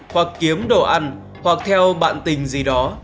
hoặc kiếm đồ ăn hoặc theo bạn tình gì đó